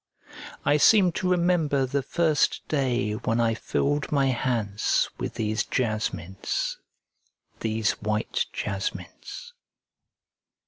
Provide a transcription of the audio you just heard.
I seem to remember the first day when I filled my hands with these jasmines, these white jasmines.